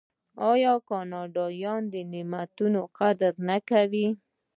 آیا کاناډایان د دې نعمتونو قدر نه کوي؟